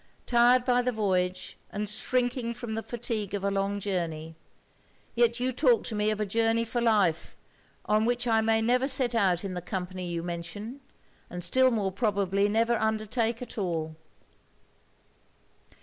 Tired by the voyage, and shrinking from the fatigue of a long journey, yet you talk to me of a journey for life, on which I may never set out in the company you mention and still more probably never undertake at all.'